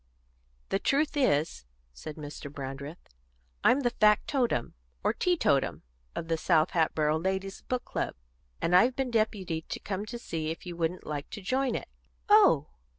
"The truth is," said Mr. Brandreth, "I'm the factotum, or teetotum, of the South Hatboro' ladies' book club, and I've been deputed to come and see if you wouldn't like to join it." "Oh!"